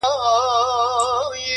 هره ورځ د نوې بدلون پیل کېدای شي.!